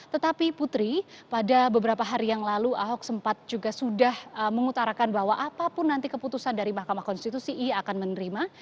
tetapi putri pada beberapa hari yang lalu ahok sempat juga sudah mengutarakan bahwa apapun nanti keputusan dari mahkamah konstitusi ia akan menerima